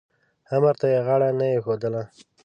امر ته یې غاړه نه ایښودله.